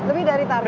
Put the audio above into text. lebih dari target